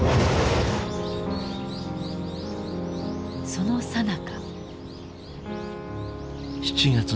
そのさなか。